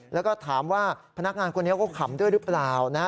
แล้วก็ถามว่าพนักงานคนนี้เขาขำด้วยหรือเปล่านะ